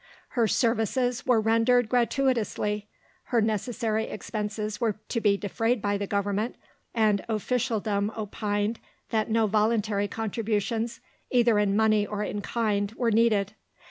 Her services were rendered gratuitously; her necessary expenses were to be defrayed by the Government, and officialdom opined that no voluntary contributions, either in money or in kind, were needed.